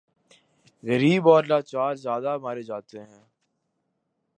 غریب اور لاچار زیادہ مارے جاتے ہیں۔